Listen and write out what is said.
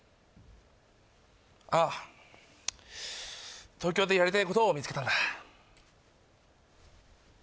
ああ東京でやりたいことを見つけたんだ